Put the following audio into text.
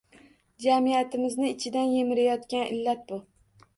Jamiyatimizni ichidan yemirayotgan illat bu.